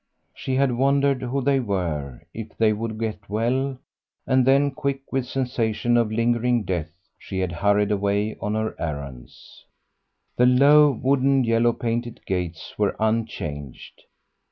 She had wondered who they were, if they would get well; and then, quick with sensation of lingering death, she had hurried away on her errands. The low wooden yellow painted gates were unchanged.